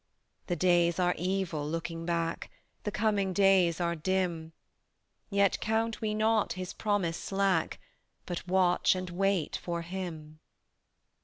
"The days are evil looking back, The coming days are dim; Yet count we not His promise slack, But watch and wait for Him."